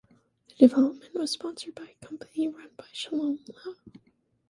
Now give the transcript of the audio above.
The development was sponsored by a company run by Shalom Lamm.